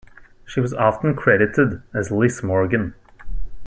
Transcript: She was often credited as "Liz Morgan".